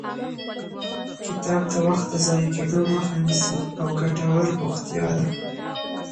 کتاب د وخت د ضایع کېدو مخه نیسي او ګټور بوختیا ده.